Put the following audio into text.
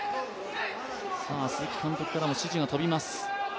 鈴木監督からも指示が飛びます。